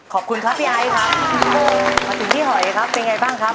ขอบคุณครับพี่ไอ้ครับมาถึงพี่หอยครับเป็นไงบ้างครับ